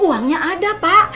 uangnya ada pak